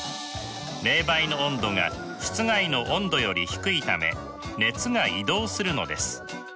冷媒の温度が室外の温度より低いため熱が移動するのです。